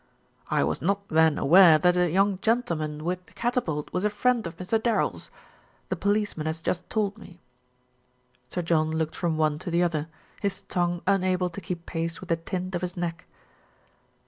"I was not then aware that the young gentleman with 328 THE RETURN OF ALFRED the catapult was a friend of Mr. Darrell's. The police man has just told me." Sir John looked from one to the other, his tongue unable to keep pace with the tint of his neck.